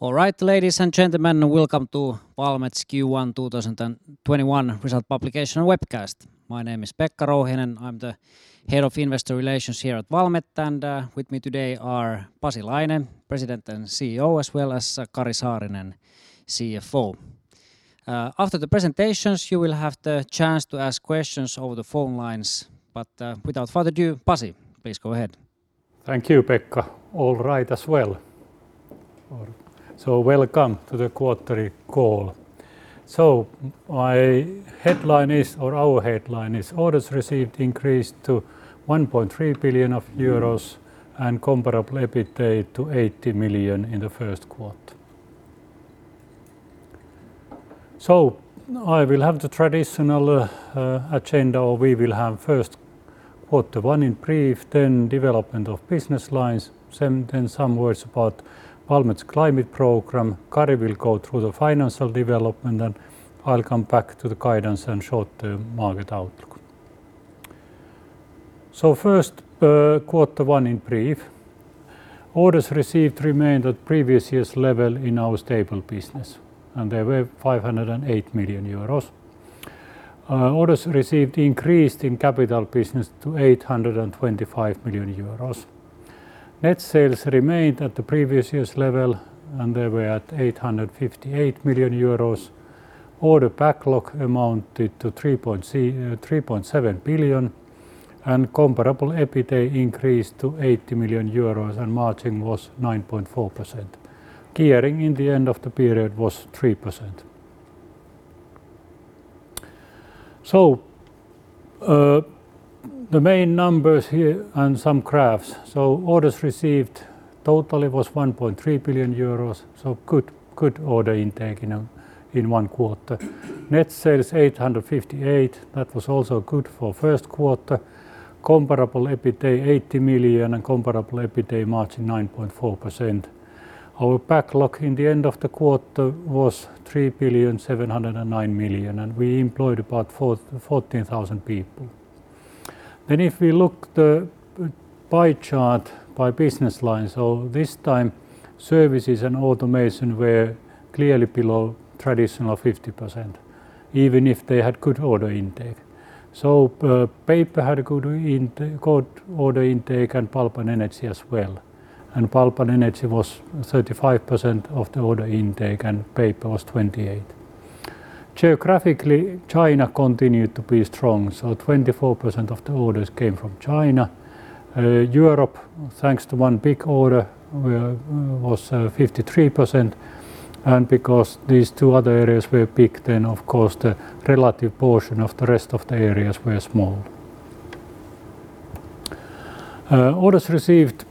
All right, ladies and gentlemen, welcome to Valmet's Q1 2021 result publication webcast. My name is Pekka Rouhiainen, I'm the Head of Investor Relations here at Valmet, and with me today are Pasi Laine, President and CEO, as well as Kari Saarinen, CFO. After the presentations, you will have the chance to ask questions over the phone lines, but without further ado, Pasi, please go ahead. Thank you, Pekka. All right as well. Welcome to the quarterly call. Our headline is orders received increased to 1.3 billion euros and comparable EBITDA to 80 million in the first quarter. I will have the traditional agenda, or we will have Q1 in brief, then development of business lines, then some words about Valmet's climate program. Kari will go through the financial development, and I'll come back to the guidance and short-term market outlook. First, Q1 in brief. Orders received remained at previous year's level in our stable business, and they were 508 million euros. Orders received increased in capital business to 825 million euros. Net sales remained at the previous year's level, and they were at 858 million euros. Order backlog amounted to 3.7 billion and comparable EBITDA increased to 80 million euros and margin was 9.4%. Gearing in the end of the period was 3%. The main numbers here and some graphs. Orders received totally was 1.3 billion euros, so good order intake in one quarter. Net sales 858 million, that was also good for first quarter. Comparable EBITDA 80 million and comparable EBITDA margin 9.4%. Our backlog in the end of the quarter was 3.709 billion, and we employed about 14,000 people. If we look the pie chart by business line. This time services and automation were clearly below traditional 50%, even if they had good order intake. Paper had a good order intake and pulp and energy as well. Pulp and energy was 35% of the order intake and paper was 28%. Geographically, China continued to be strong, so 24% of the orders came from China. Europe, thanks to one big order, was 53%. Because these two other areas were big, of course the relative portion of the rest of the areas were small. Orders received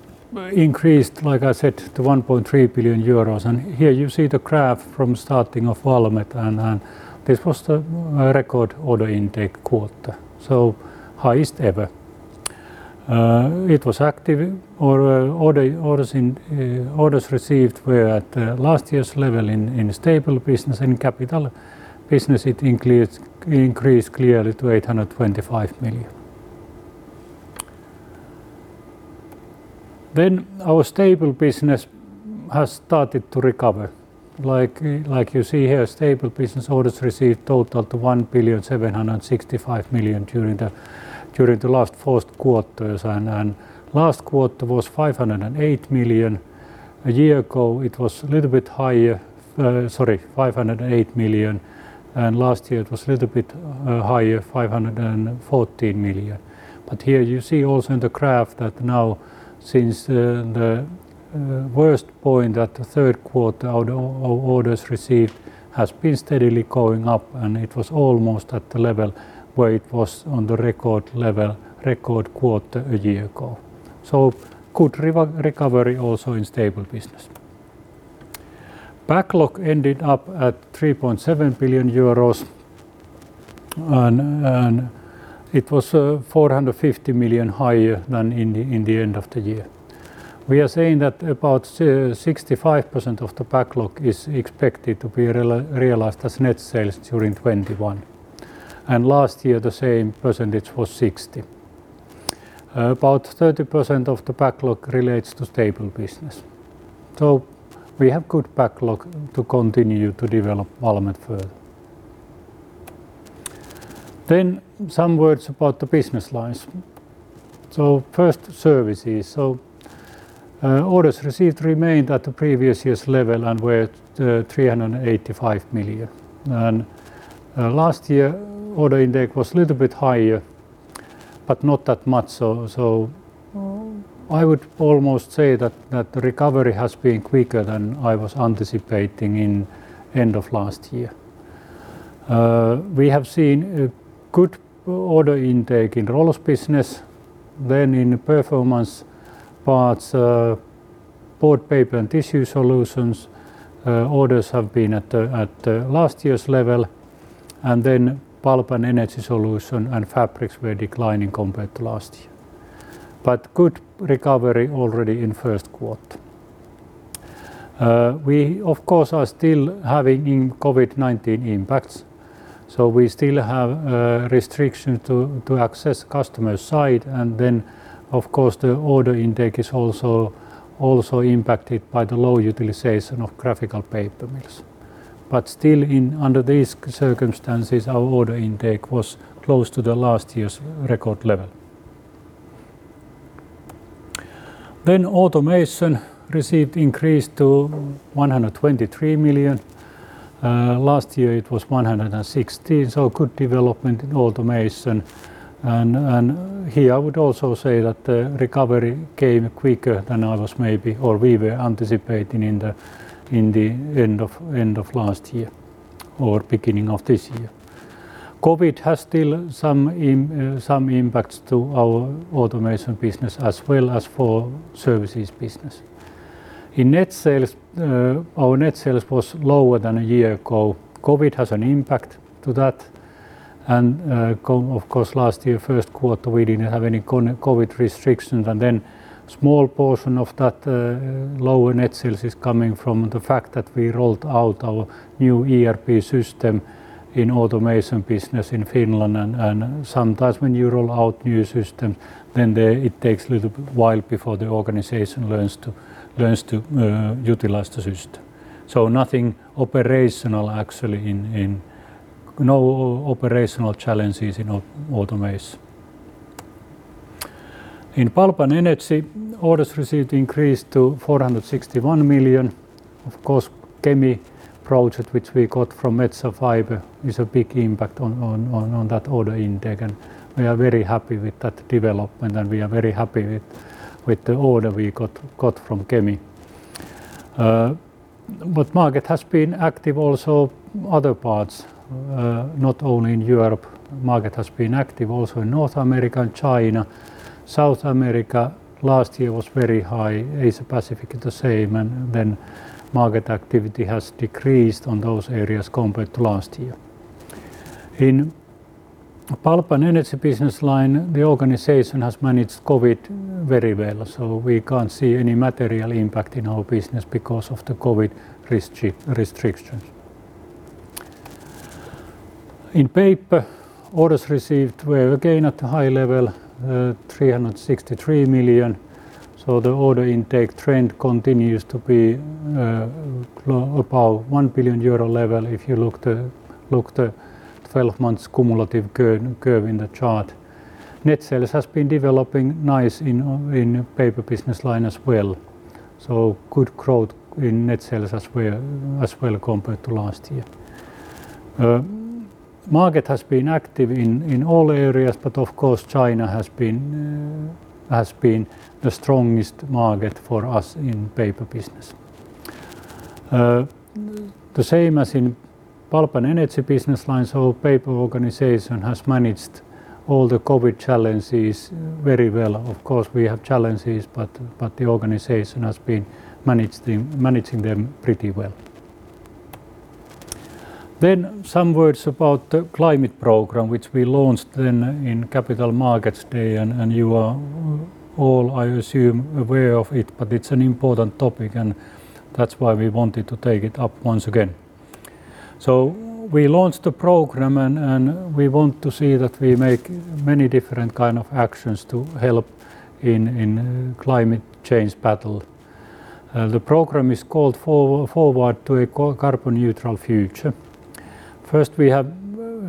increased, like I said, to 1.3 billion euros and here you see the graph from starting of Valmet, and this was the record order intake quarter, so highest ever. Orders received were at last year's level in stable business and capital business it increased clearly to 825 million. Our stable business has started to recover. Like you see here, stable business orders received total to 1,765 million during the last four quarters and last quarter was 508 million. A year ago it was a little bit higher. Sorry, 508 million. Last year it was a little bit higher, 514 million. Here you see also in the graph that now since the worst point at the third quarter, our orders received has been steadily going up, and it was almost at the level where it was on the record quarter a year ago. Good recovery also in stable business. Backlog ended up at 3.7 billion euros, and it was 450 million higher than in the end of the year. We are saying that about 65% of the backlog is expected to be realized as net sales during 2021. Last year, the same percentage was 60%. About 30% of the backlog relates to stable business. We have good backlog to continue to develop Valmet further. Some words about the business lines. First services. Orders received remained at the previous year's level Of course, last year, first quarter, we didn't have any COVID-19 restrictions, small portion of that lower net sales is coming from the fact that we rolled out our new ERP system in automation business in Finland. Sometimes when you roll out new system, it takes a little while before the organization learns to utilize the system. Nothing operational actually, no operational challenges in automation. In pulp and energy, orders received increased to 461 million. Kemi project, which we got from Metsä Fibre, is a big impact on that order intake, and we are very happy with that development, and we are very happy with the order we got from Kemi. Market has been active also other parts, not only in Europe. Market has been active also in North America and China. South America last year was very high. Asia-Pacific the same. Market activity has decreased on those areas compared to last year. In pulp and energy business line, the organization has managed COVID very well, we can't see any material impact in our business because of the COVID restrictions. In paper, orders received were again at a high level, 363 million. The order intake trend continues to be above 1 billion euro level if you look the 12 months cumulative curve in the chart. Net sales has been developing nice in paper business line as well. Good growth in net sales as well compared to last year. Market has been active in all areas, but of course, China has been the strongest market for us in paper business. The same as in pulp and energy business line, so paper organization has managed all the COVID challenges very well. Of course, we have challenges, but the organization has been managing them pretty well. Some words about the climate program, which we launched in Capital Markets Day, and you are all, I assume, aware of it, but it's an important topic, and that's why we wanted to take it up once again. We launched the program, and we want to see that we make many different kind of actions to help in climate change battle. The program is called Forward to a carbon neutral future. First,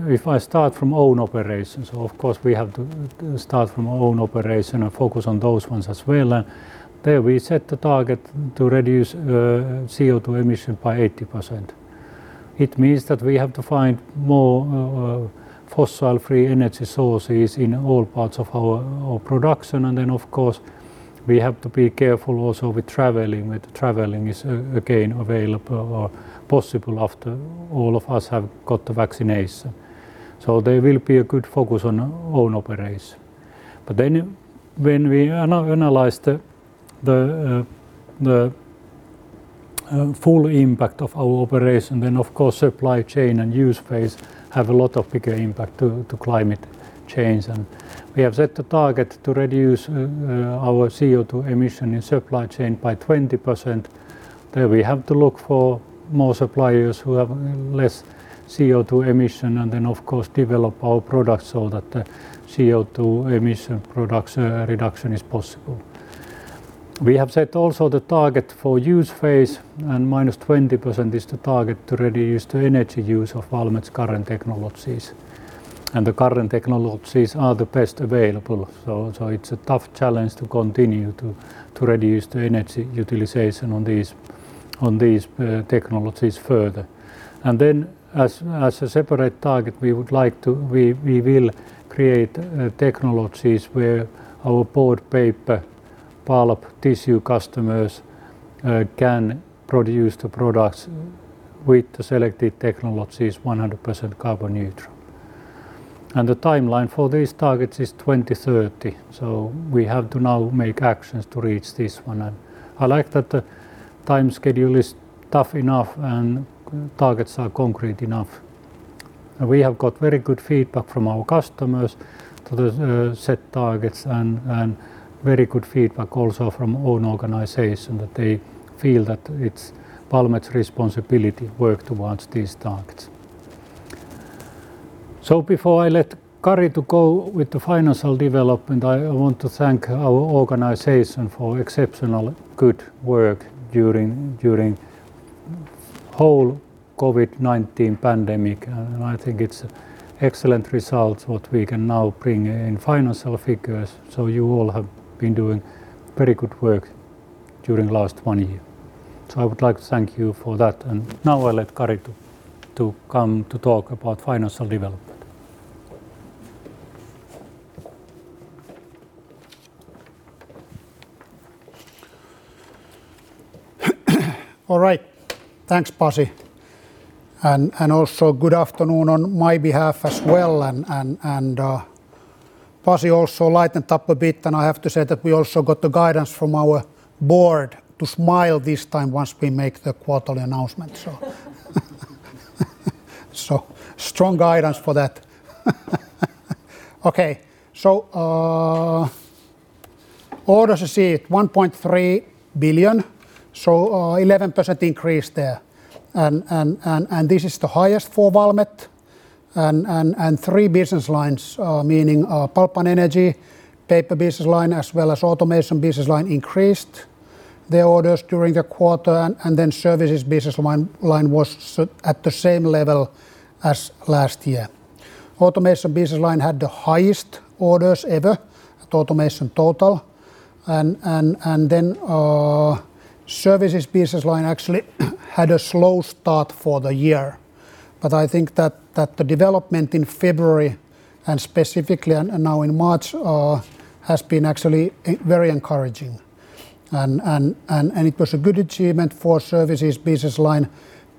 if I start from own operations, of course, we have to start from own operation and focus on those ones as well. There we set the target to reduce CO2 emission by 80%. It means that we have to find more fossil-free energy sources in all parts of our production. Then, of course, we have to be careful also with traveling, when traveling is again available or possible after all of us have got the vaccination. There will be a good focus on own operation. When we analyze the full impact of our operation, then of course, supply chain and use phase have a lot of bigger impact to climate change. We have set the target to reduce our CO2 emission in supply chain by 20%. There we have to look for more suppliers who have less CO2 emission and then, of course, develop our products so that the CO2 emission reduction is possible. We have set also the target for use phase. Minus 20% is the target to reduce the energy use of Valmet's current technologies. The current technologies are the best available. It's a tough challenge to continue to reduce the energy utilization on these technologies further. As a separate target, we will create technologies where our board paper pulp tissue customers can produce the products with the selected technologies 100% carbon neutral. The timeline for these targets is 2030. We have to now make actions to reach this one. I like that the time schedule is tough enough, and targets are concrete enough. We have got very good feedback from our customers to the set targets and very good feedback also from own organization that they feel that it's Valmet's responsibility work towards these targets. Before I let Kari go with the financial development, I want to thank our organization for exceptional good work during the whole COVID-19 pandemic, and I think it's excellent results that we can now bring in financial figures. You all have been doing very good work during the last one year. I would like to thank you for that. Now I'll let Kari come to talk about financial development. All right. Thanks, Pasi. Also good afternoon on my behalf as well. Pasi also lightened up a bit, and I have to say that we also got the guidance from our board to smile this time once we make the quarterly announcement. Strong guidance for that. Okay. Orders, you see, at 1.3 billion, 11% increase there. This is the highest for Valmet and three business lines, meaning Pulp and Energy, Paper business line, as well as Automation business line increased their orders during the quarter, Services business line was at the same level as last year. Automation business line had the highest orders ever at automation total. Services business line actually had a slow start for the year. I think that the development in February and specifically now in March has been actually very encouraging. It was a good achievement for Services business line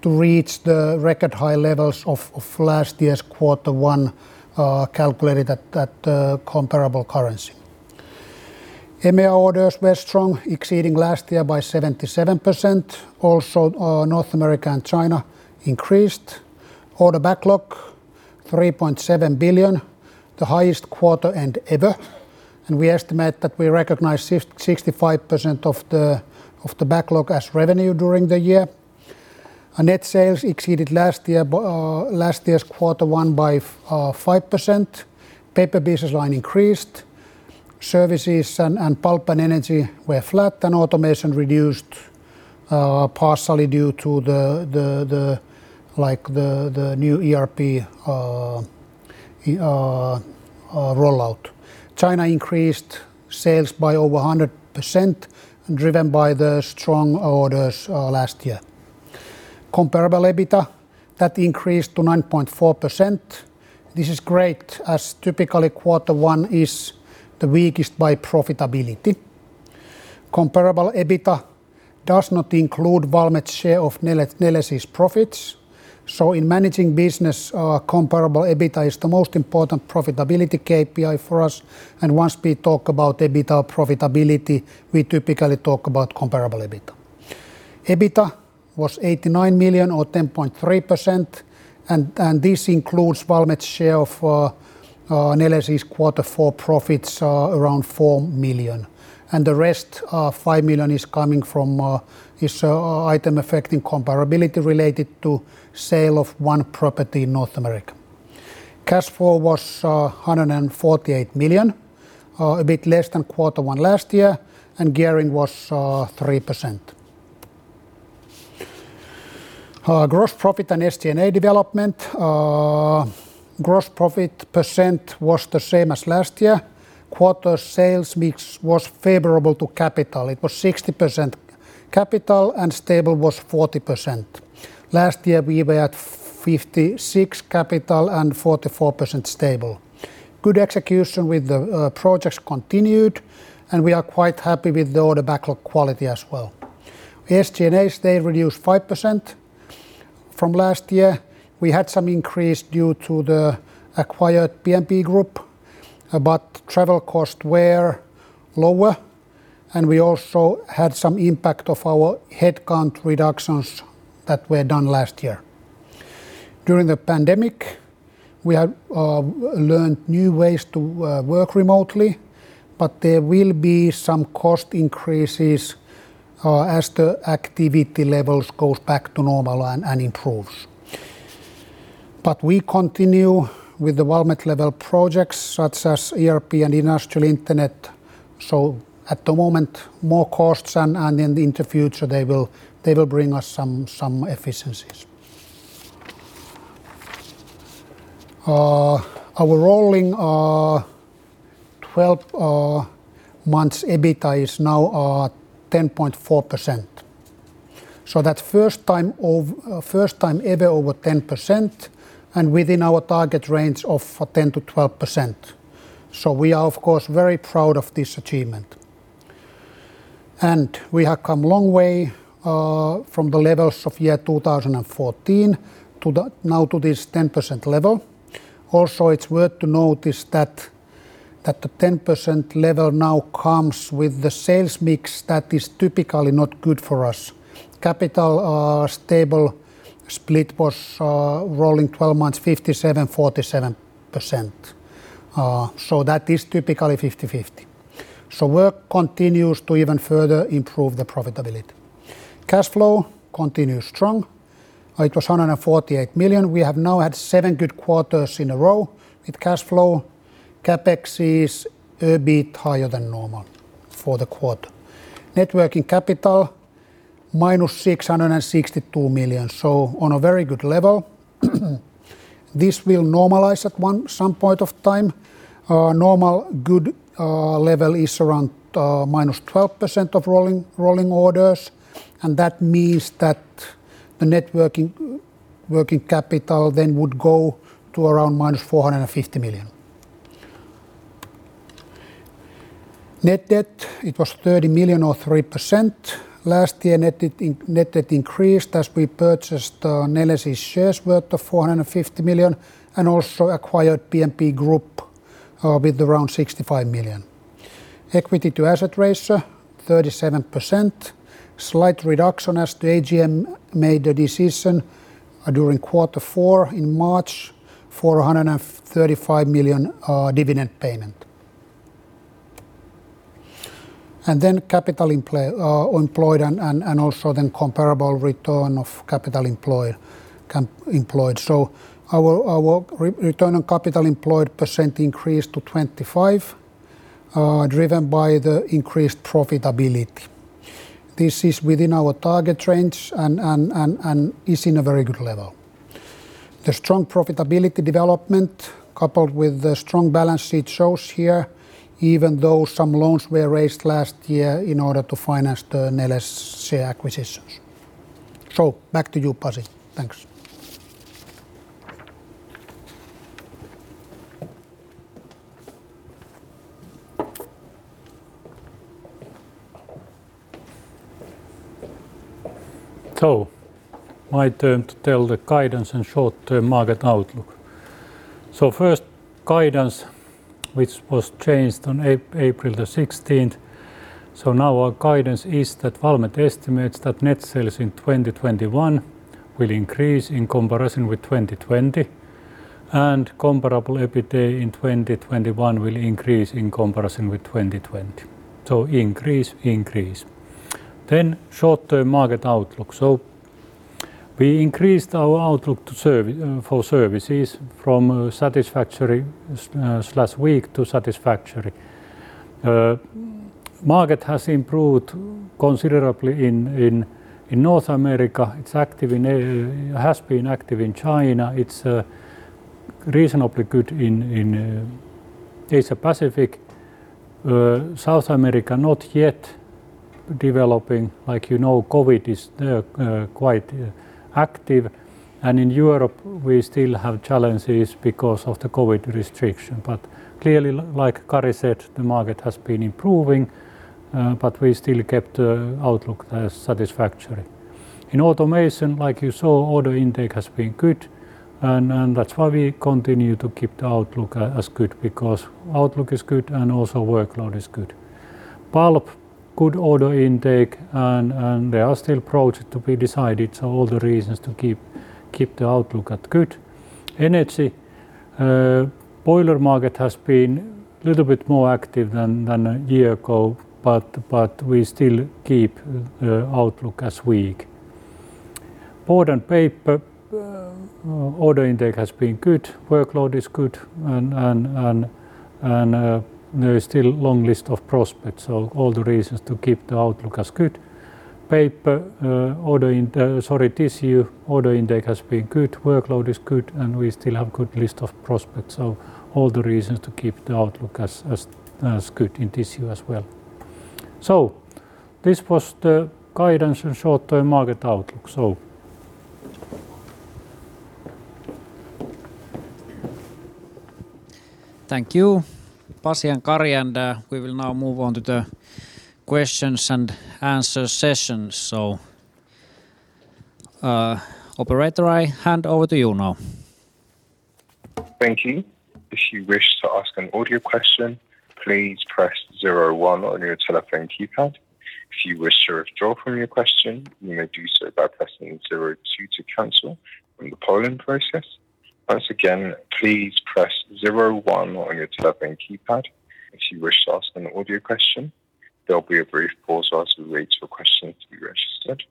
to reach the record-high levels of last year's Q1, calculated at the comparable currency. EMEA orders were strong, exceeding last year by 77%. North America and China increased. Order backlog 3.7 billion, the highest quarter-end ever, and we estimate that we recognize 65% of the backlog as revenue during the year. Our net sales exceeded last year's Q1 by 5%. Paper business line increased. Services and Pulp and Energy were flat, and Automation reduced, partially due to the new ERP rollout. China increased sales by over 100%, driven by the strong orders last year. Comparable EBITDA, that increased to 9.4%. This is great as typically Q1 is the weakest by profitability. Comparable EBITDA does not include Valmet's share of Neles' profits. In managing business, comparable EBITDA is the most important profitability KPI for us. Once we talk about EBITDA profitability, we typically talk about comparable EBITDA. EBITDA was 89 million or 10.3%. This includes Valmet's share of Neles's Q4 profits, around 4 million. The rest, 5 million, is coming from this item affecting comparability related to sale of one property in North America. Cash flow was 148 million, a bit less than Q1 last year. Gearing was 3%. Gross profit and SG&A development. Gross profit % was the same as last year. Quarter sales mix was favorable to capital. It was 60% capital and stable was 40%. Last year, we were at 56 capital and 44% stable. Good execution with the projects continued. We are quite happy with the order backlog quality as well. SG&A, they reduced 5% from last year. We had some increase due to the acquired PMP Group, but travel costs were lower, and we also had some impact of our headcount reductions that were done last year. During the pandemic, we have learned new ways to work remotely, but there will be some cost increases as the activity levels go back to normal and improve. We continue with the Valmet-level projects such as ERP and Industrial Internet. At the moment, more costs, and in the future, they will bring us some efficiencies. Our rolling 12 months EBITDA is now at 10.4%. That's first time ever over 10% and within our target range of 10%-12%. We are, of course, very proud of this achievement. We have come a long way from the levels of year 2014 now to this 10% level. It's worth to notice that the 10% level now comes with the sales mix that is typically not good for us. Capital stable split was rolling 12 months, 57%/47%. That is typically 50/50. Work continues to even further improve the profitability. Cash flow continued strong. It was 148 million. We have now had seven good quarters in a row with cash flow. CapEx is a bit higher than normal for the quarter. Net working capital, minus 662 million, on a very good level. This will normalize at some point of time. Our normal good level is around minus 12% of rolling orders. That means that the net working capital then would go to around minus 450 million. Net debt, it was 30 million or 3%. Last year, net debt increased as we purchased Neles's shares worth of 450 million and also acquired PMP Group with around 65 million. Equity to asset ratio, 37%. Slight reduction as the AGM made a decision during quarter four in March for 135 million dividend payment. Capital employed and also comparable return on capital employed. Our return on capital employed % increased to 25, driven by the increased profitability. This is within our target range and is in a very good level. The strong profitability development coupled with the strong balance sheet shows here, even though some loans were raised last year in order to finance the Neles share acquisitions. Back to you, Pasi. Thanks. My turn to tell the guidance and short-term market outlook. First, guidance, which was changed on April 16th. Now our guidance is that Valmet estimates that net sales in 2021 will increase in comparison with 2020, and comparable EBITDA in 2021 will increase in comparison with 2020. Increase, increase. Short-term market outlook. We increased our outlook for services from satisfactory/weak to satisfactory. Market has improved considerably in North America. It has been active in China. It's reasonably good in Asia-Pacific. South America, not yet developing. Like you know, COVID is quite active. In Europe, we still have challenges because of the COVID restriction. Clearly, like Kari said, the market has been improving, but we still kept the outlook as satisfactory. In automation, like you saw, order intake has been good, and that's why we continue to keep the outlook as good, because outlook is good and also workload is good. Pulp, good order intake, and there are still projects to be decided, so all the reasons to keep the outlook at good. Energy, boiler market has been a little bit more active than a year ago, but we still keep the outlook as weak. Board and paper, order intake has been good. Workload is good, and there is still a long list of prospects, so all the reasons to keep the outlook as good. Tissue, order intake has been good. Workload is good, and we still have a good list of prospects, so all the reasons to keep the outlook as good in tissue as well. This was the guidance and short-term market outlook. Thank you, Pasi and Kari, and we will now move on to the questions and answer session. Operator, I hand over to you now. Thank you. If you wish to ask an audio question, please press zero one on your telephone keypad. If you wish to withdraw for your question you may do so by pressing zero two to cancel, when you pardon process. Once again, please press zero one on your telephone keypad if you wish to ask an audio question. There will be a brief process to reach your question to be registered.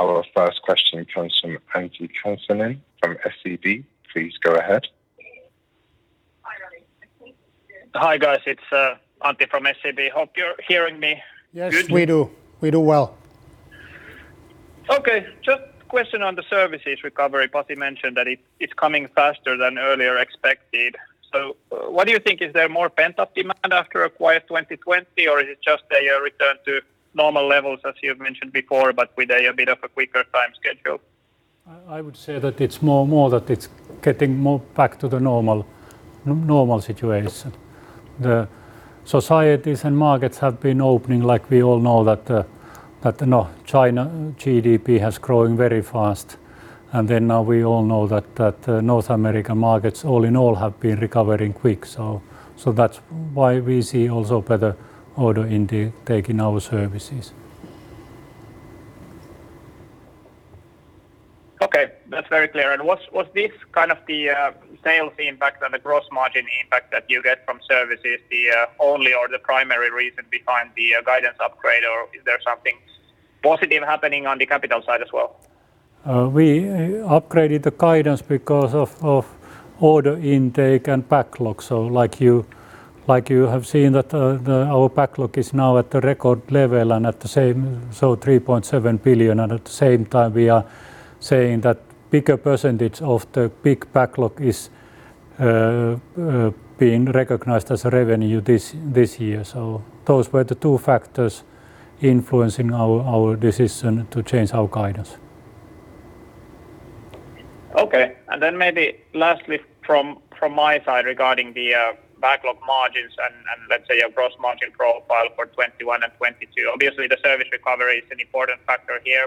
Our first question comes from Antti Kansanen from SEB. Please go ahead. Hi, guys. It's Antti from SEB. Hope you're hearing me good. Yes, we do. We do well. Okay. Just a question on the services recovery. Pasi mentioned that it's coming faster than earlier expected. What do you think? Is there more pent-up demand after a quiet 2020, or is it just a return to normal levels, as you've mentioned before, but with a bit of a quicker time schedule? I would say that it's more that it's getting more back to the normal situation. The societies and markets have been opening, like we all know that now China GDP has grown very fast. Now we all know that North American markets, all in all, have been recovering quick. That's why we see also better order intake in our services. That's very clear. Was the sales impact and the gross margin impact that you get from services the only or the primary reason behind the guidance upgrade, or is there something positive happening on the capital side as well? We upgraded the guidance because of order intake and backlog. You have seen that our backlog is now at the record level, 3.7 billion, and at the same time, we are saying that bigger % of the big backlog is being recognized as revenue this year. Those were the two factors influencing our decision to change our guidance. Okay. Maybe lastly from my side regarding the backlog margins and let's say a gross margin profile for 2021 and 2022. Obviously, the service recovery is an important factor here.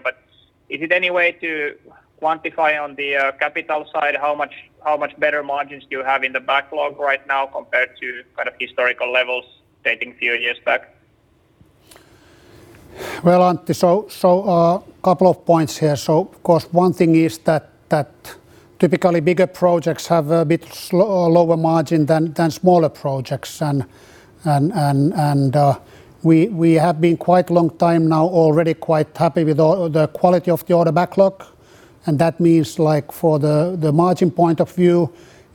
Is it any way to quantify on the capital side how much better margins do you have in the backlog right now compared to historical levels dating a few years back? Well, Antti, a couple of points here. Of course, one thing is that typically bigger projects have a bit lower margin than smaller projects. We have been quite long time now already quite happy with the quality of the order backlog, and that means for the margin point of view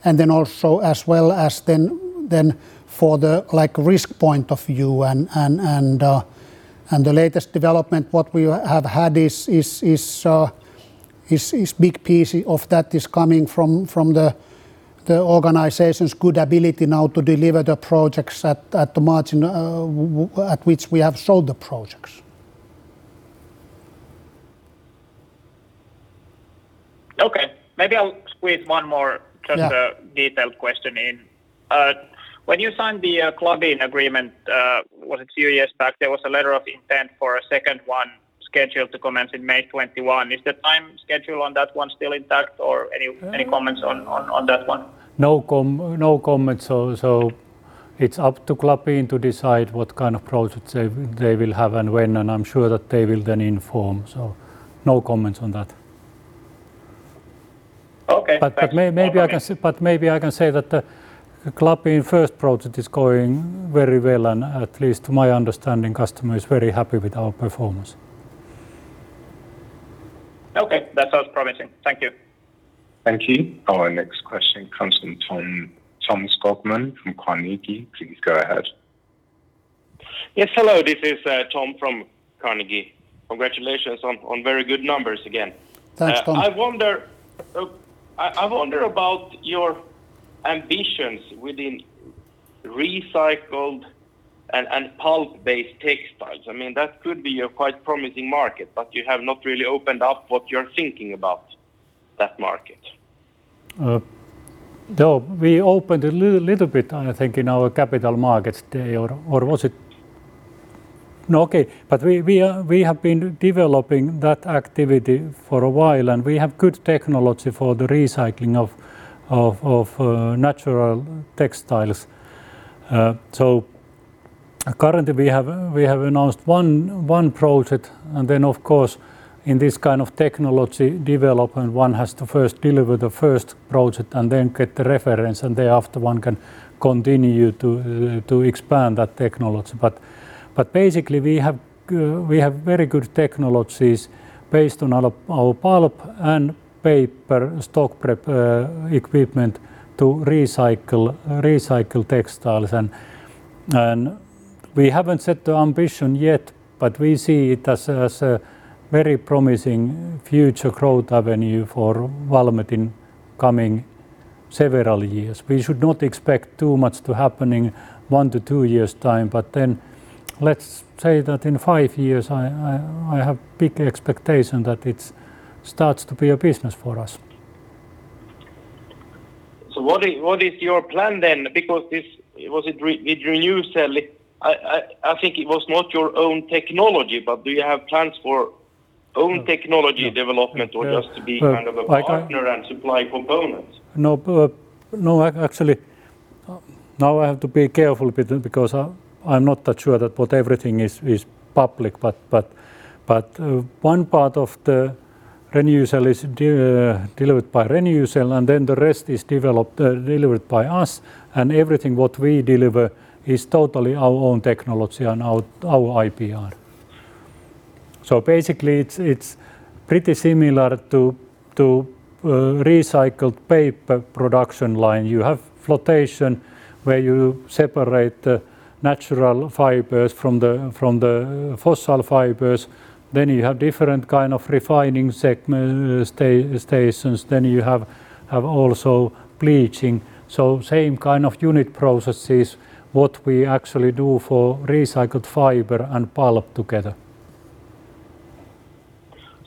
and then also as well as then for the risk point of view. The latest development, what we have had is big piece of that is coming from the organization's good ability now to deliver the projects at the margin at which we have sold the projects. Okay. Maybe I'll squeeze one more- Yeah. Just a detailed question. When you signed the Klabin agreement, was it two years back? There was a letter of intent for a second one scheduled to commence in May 2021. Is the time schedule on that one still intact or any comments on that one? No comments. It's up to Klabin to decide what kind of projects they will have and when, and the natural fibers from the fossil fibers. You have different kind of refining stations. You have also bleaching. Same kind of unit processes what we actually do for recycled fiber and pulp together.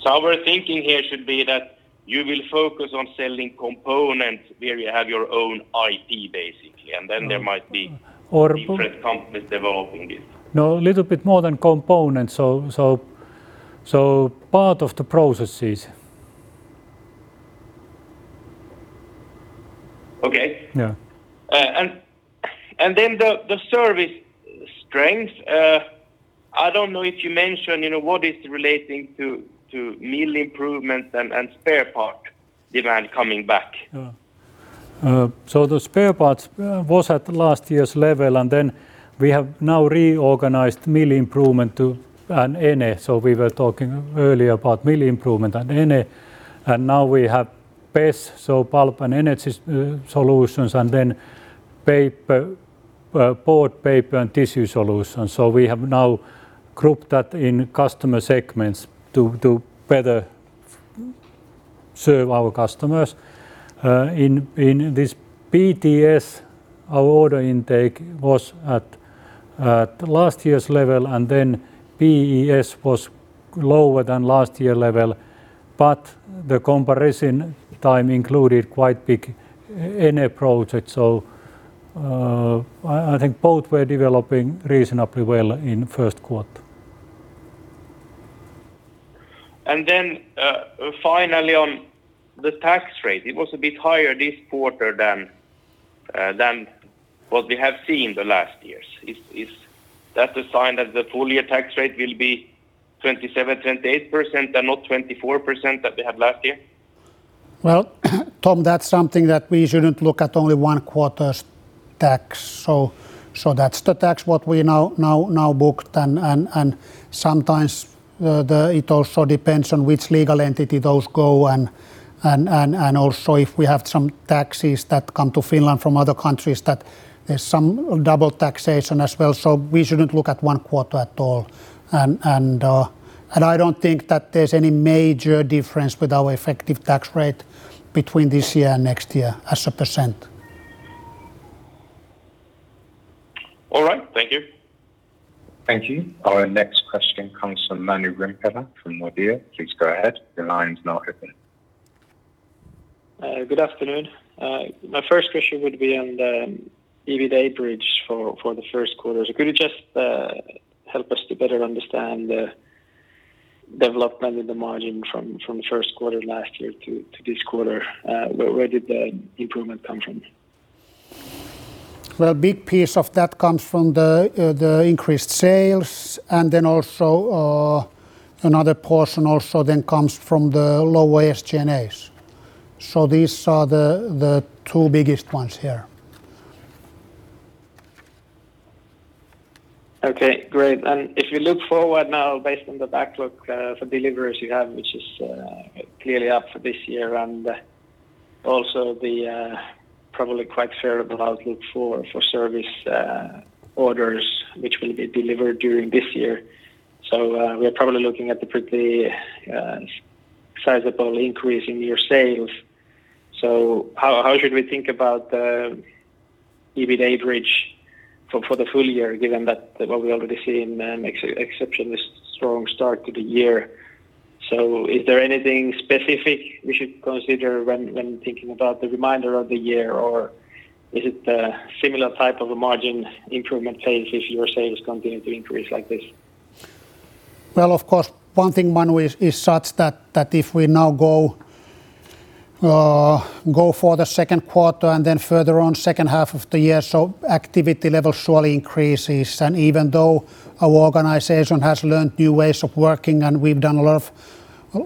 Our thinking here should be that you will focus on selling components where you have your own IP, basically. Or- Different companies developing this. No, a little bit more than components, so part of the processes. Okay. Yeah. The service strength, I don't know if you mentioned what is relating to mill improvements and spare part demand coming back? The spare parts was at last year's level, we have now reorganized mill improvement to an ENE. We were talking earlier about mill improvement and ENE, we have PES, pulp and energy solutions, and then board paper and tissue solutions. We have now grouped that in customer segments to better serve our customers. In this PTS, our order intake was at last year's level, PES was lower than last year's level, the comparison time included quite big ENE project. I think both were developing reasonably well in first quarter. Finally on the tax rate. It was a bit higher this quarter than what we have seen the last years. Is that a sign that the full year tax rate will be 27%, 28% and not 24% that we had last year? Well, Tom, that's something that we shouldn't look at only one quarter's tax. That's the tax what we now booked and sometimes it also depends on which legal entity those go and also if we have some taxes that come to Finland from other countries that there's some double taxation as well. We shouldn't look at one quarter at all. I don't think that there's any major difference with our effective tax rate between this year and next year as a percent. All right. Thank you. Thank you. Our next question comes from Manu Rimpelä from Nordea. Please go ahead. Your line's now open. Good afternoon. My first question would be on the EBITA bridge for the first quarter. Could you just help us to better understand the development in the margin from first quarter last year to this quarter? Where did the improvement come from? Well, a big piece of that comes from the increased sales and then also another portion also then comes from the lower SG&A. These are the two biggest ones here. Okay. Great. If you look forward now based on the backlog for deliveries you have, which is clearly up for this year, and also the probably quite favorable outlook for service orders, which will be delivered during this year. We are probably looking at a pretty sizable increase in your sales. How should we think about the EBITA bridge for the full year, given that what we already see an exceptionally strong start to the year? Is there anything specific we should consider when thinking about the remainder of the year, or is it a similar type of a margin improvement pace if your sales continue to increase like this? Of course, one thing, Manu, is such that if we now go for the second quarter and then further on second half of the year, activity level surely increases. Even though our organization has learned new ways of working and we have a lot of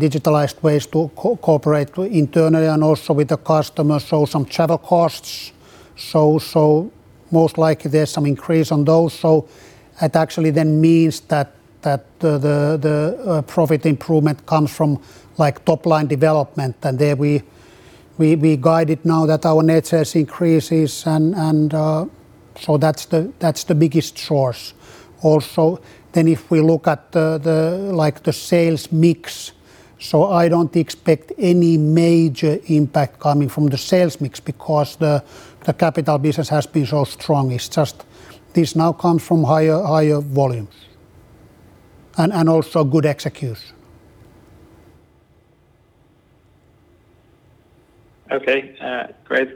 digitalized ways to cooperate internally and also with the customer. Some travel costs. Most likely there's some increase on those. It actually then means that the profit improvement comes from top-line development. There we guide it now that our net sales increases and that's the biggest source. If we look at the sales mix, I don't expect any major impact coming from the sales mix because the capital business has been so strong. It's just this now comes from higher volumes and also good execution. Okay. Great.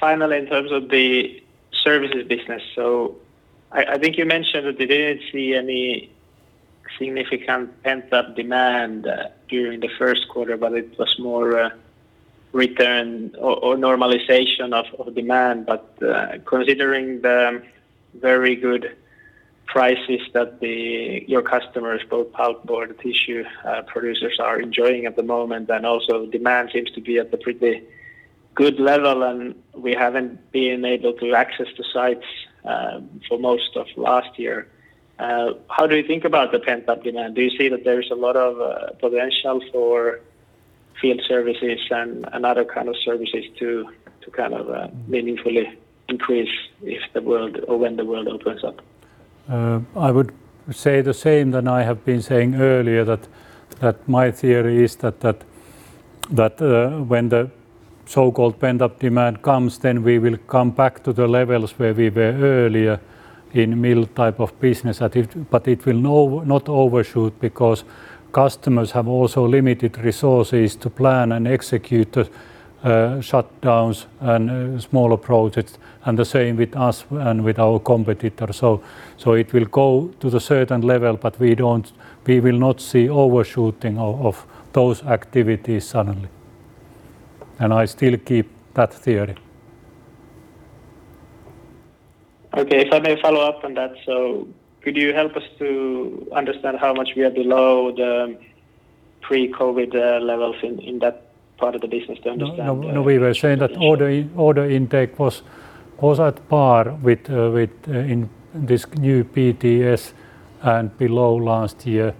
Finally, in terms of the services business. I think you mentioned that you didn't see any significant pent-up demand during the first quarter, but it was more return or normalization of demand. Considering the very good prices that your customers, both pulp, board, tissue producers are enjoying at the moment, and also demand seems to be at a pretty good level, and we haven't been able to access the sites for most of last year. How do you think about the pent-up demand? Do you see that there's a lot of potential for field services and other kind of services to kind of meaningfully increase if the world or when the world opens up? I would say the same than I have been saying earlier, that my theory is that when the so-called pent-up demand comes, then we will come back to the levels where we were earlier in mill type of business. It will not overshoot because customers have also limited resources to plan and execute the shutdowns and smaller projects, and the same with us and with our competitors. It will go to the certain level, but we will not see overshooting of those activities suddenly. I still keep that theory. Okay. If I may follow up on that, could you help us to understand how much we are below the pre-COVID levels in that part of the business to understand- No, we were saying that order intake was at par with this new PTS and below last year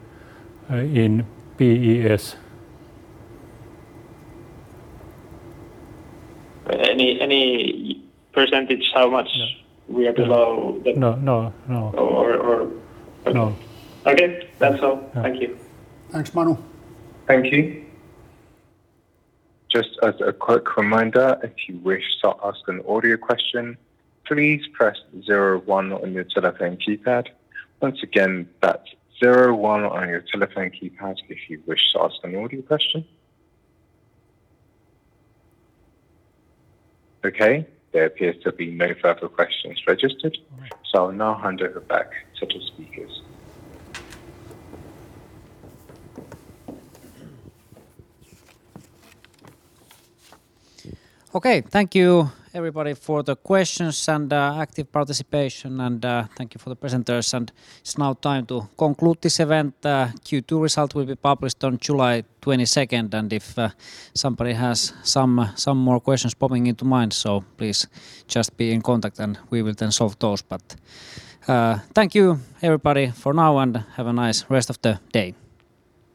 in PES. Any percentage how much? No. We are below. No or- No Okay. That's all. Thank you. Thanks, Manu. Thank you. Just as a quick reminder, if you wish to ask an audio question, please press zero one on your telephone keypad. Once again, that's zero one on your telephone keypad if you wish to ask an audio question. Okay. There appears to be no further questions registered. So I'll now hand over back to the speakers. Okay. Thank you everybody for the questions and active participation, and thank you for the presenters. It's now time to conclude this event. Q2 result will be published on July 22nd, and if somebody has some more questions popping into mind, so please just be in contact and we will then solve those. Thank you everybody for now, and have a nice rest of the day.